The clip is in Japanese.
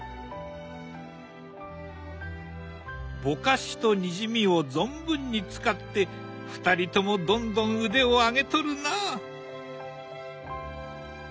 ぼかしとにじみを存分に使って２人ともどんどん腕を上げとるな！